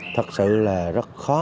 thật sự là rất khó